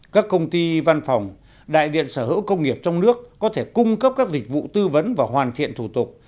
các công ty văn phòng đại điện sở hữu công nghiệp trong nước có thể cung cấp các dịch vụ tư vấn và hoàn thiện thủ tục